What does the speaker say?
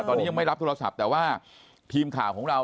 ตอนนี้ยังไม่รับโทรศัพท์แต่ว่าทีมข่าวของเรา